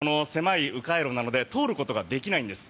しかも大型車がこの狭い迂回路なので通ることができないんです。